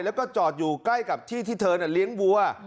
แล้วก็จอดอยู่ใกล้กับที่ที่เธอเลี้ยงวัว